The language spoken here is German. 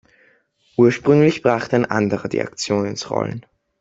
Ursprünglich brachte ein anderer die Aktion ins Rollen.